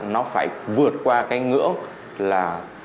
nó phải vượt qua cái ngưỡng là